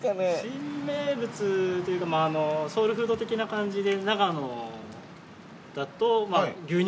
新名物というかソウルフード的な感じで長野だと。